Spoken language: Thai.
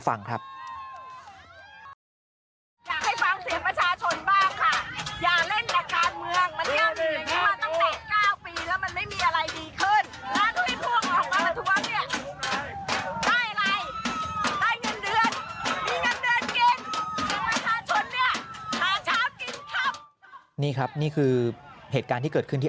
นะครับนี่ครับนี่คือเหตุการณ์ที่เกิดขึ้นที่